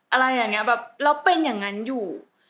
อะไรอย่างนี้แบบแล้วเป็นอย่างนั้นอยู่